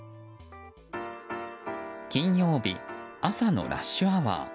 金曜日、朝のラッシュアワー。